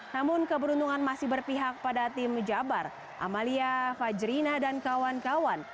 namun keberuntungan masih berpihak pada tim jabar amalia fajrina dan kawan kawan